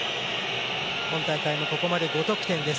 今大会もここまで５得点です。